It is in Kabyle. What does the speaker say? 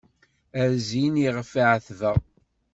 A zzin iɣef εetbeɣ.